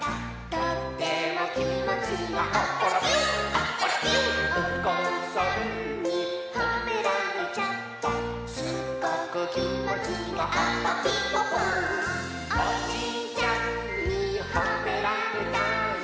「とってもきもちがアッパラピューアッパラピュー」「おかあさんにほめられちゃった」「すごくきもちがアパピポポー」「おじいちゃんにほめられたよ」